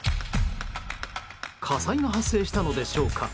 火災が発生したのでしょうか。